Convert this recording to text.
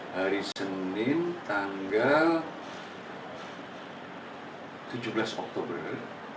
hari senin tanggal tujuh belas oktober